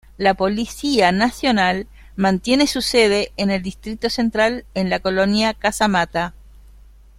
La Policía Nacional mantiene su sede en el Distrito Central en la Colonia Casamata.